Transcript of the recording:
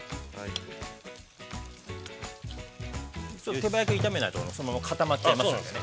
◆手早く炒めないとそのまま固まっちゃいますのでね。